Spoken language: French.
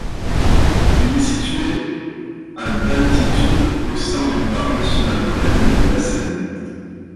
Il est situé à d'altitude au sein du parc national volcanique de Lassen.